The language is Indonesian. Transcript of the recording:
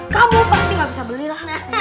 kamu pasti gak bisa beli lah